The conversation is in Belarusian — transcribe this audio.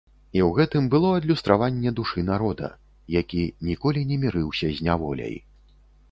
І ў гэтым было адлюстраванне душы народа, які ніколі не мірыўся з няволяй.